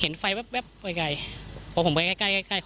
เห็นไฟแป๊บไปไกลบอกว่าไปใกล้